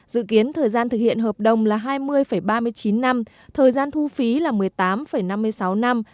dự kiến thời gian thực hiện hợp đồng là hai mươi ba mươi chín năm thời gian thu phí là một mươi tám năm mươi sáu năm